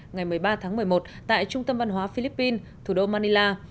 ngày một mươi ba tháng một mươi một tại trung tâm văn hóa philippines thủ đô manila